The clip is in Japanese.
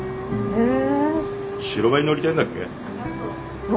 へえ！